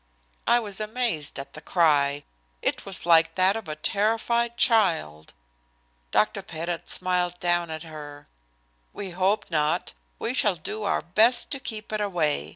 I was amazed at the cry. It was like that of a terrified child. Dr. Pettit smiled down at her. "We hope not. We shall do our best to keep it away.